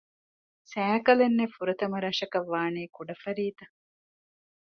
ސައިކަލެއް ނެތް ފުރަތަމަ ރަށަކަށް ވާނީ ކުޑަފަރީތަ؟